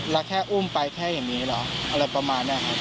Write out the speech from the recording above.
แล้วแค่อุ้มไปแค่อย่างนี้เหรออะไรประมาณนี้ครับ